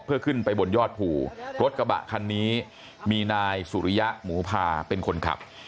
เพื่อขึ้นไปบนยอดภูรถกระบะคันนี้มีนายสุริยะหมูพาเป็นคนขับ